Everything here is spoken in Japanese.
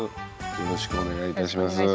よろしくお願いします。